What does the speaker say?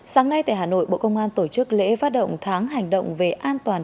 sáng nay tại hà nội bộ công an tổ chức lễ phát động tháng hành động về an toàn